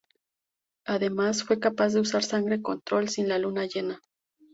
Además, fue capaz de usar Sangre Control sin la luna llena.